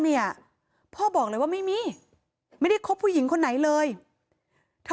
เนี่ยพ่อบอกเลยว่าไม่มีไม่ได้คบผู้หญิงคนไหนเลยถ้า